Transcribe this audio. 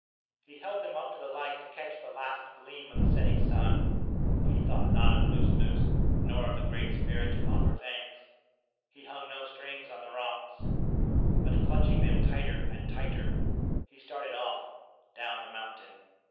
He held them up to the light to catch the last gleam of the setting sun. He thought not of Moos Moos, nor of the Great Spirit, to offer thanks. He hung no strings on the rocks, but clutching them tighter and tighter, he started off down the mountain.